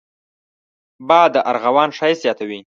باد د ارغوان ښايست زیاتوي